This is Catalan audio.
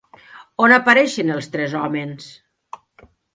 On apareixen els tres homes?